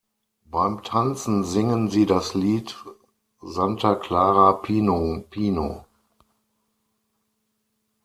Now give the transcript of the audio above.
Beim Tanzen singen sie das Lied "Santa Clara Pinung-Pino".